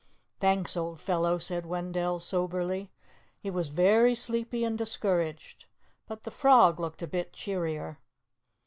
"Thanks, old fellow," said Wendell soberly. He was very sleepy and discouraged. But the frog looked a bit cheerier.